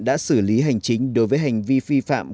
đã xử lý hành chính đối với hành vi vi phạm